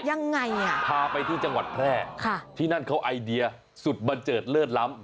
ยังไงอ่ะพาไปที่จังหวัดแพร่ค่ะที่นั่นเขาไอเดียสุดบันเจิดเลิศล้ำ